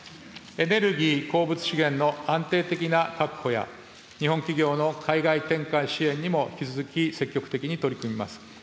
エネルギー、鉱物資源の安定的な確保や、日本企業の海外展開支援にも引き続き積極的に取り組みます。